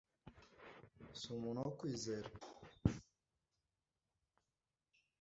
si umuntu wo kwizera